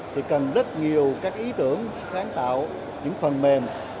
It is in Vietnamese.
thì cần rất nhiều các ý tưởng sáng tạo những phần mềm